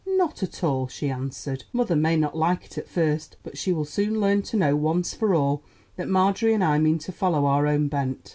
"Not at all," she answered. "Mother may not like it at first, but she will soon learn to know once for all that Marjorie and I mean to follow our own bent.